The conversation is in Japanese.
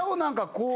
こう。